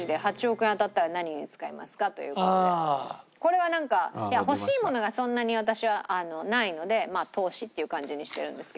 これはなんか欲しいものがそんなに私はないのでまあ投資っていう感じにしてるんですけど。